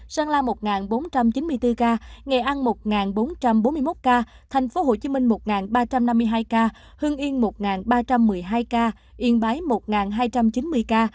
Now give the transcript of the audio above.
sơn la một bốn trăm chín mươi bốn ca nghệ an một bốn trăm bốn mươi một ca thành phố hồ chí minh một ba trăm năm mươi hai ca hương yên một ba trăm một mươi hai ca yên bái một hai trăm chín mươi ca